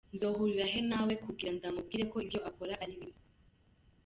Nzohurira he na we kugira ndamubwire ko ivyo akora ari bibi?.